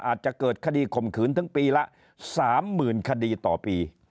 อาจจะเกิดคดีข่มขืนถึงปีละ๓๐๐๐คดีต่อปี